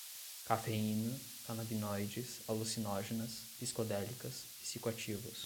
cafeína, canabinoides, alucinógenas, psicodélicas, psicoativos